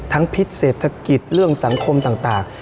ทั้งพทธิ์เศรษฐกิจเรื่องสำคมต่าง